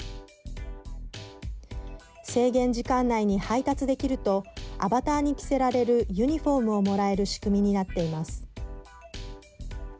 制限時間内に配達できるとアバターに着せられるユニフォームをもらえる仕組みになっています。